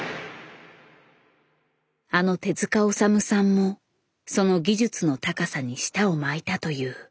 あの手塚治虫さんもその技術の高さに舌を巻いたという。